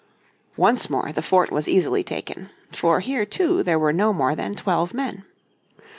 Once more the fort was easily taken. For here too, there were no more than twelve men.